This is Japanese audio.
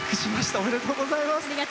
おめでとうございます。